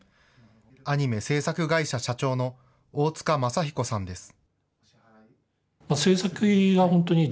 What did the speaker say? アニメ制作会社社長の大塚雅彦さんです。